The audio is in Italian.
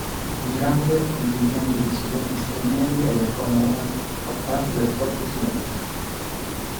Un grande contingente di studenti stranieri e del Commonwealth fa parte del corpo studentesco.